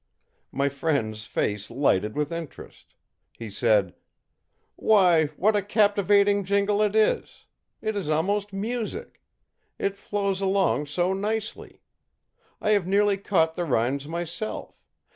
My friend's face lighted with interest. He said: ìWhy, what a captivating jingle it is! It is almost music. It flows along so nicely. I have nearly caught the rhymes myself.